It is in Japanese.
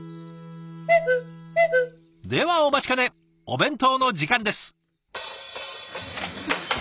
ではお待ちかねお弁当の時間です。